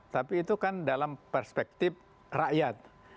tapi itu kan dalam perspektif rakyat